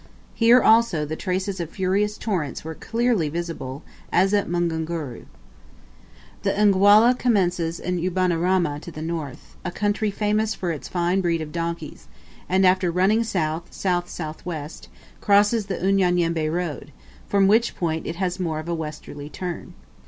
Here also the traces of furious torrents were clearly visible as at Mabunguru. The Nghwhalah commences in Ubanarama to the north a country famous for its fine breed of donkeys and after running south, south south west, crosses the Unyanyembe road, from which point it has more of a westerly turn.